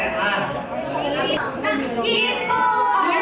เดี๋ยวประธานาคมาก่อน